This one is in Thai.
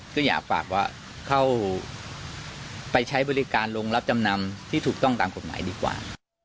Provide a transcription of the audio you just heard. ก็อยากฝากว่าเข้าไปใช้บริการโรงรับจำนำที่ถูกต้องตามกฎหมายดีกว่า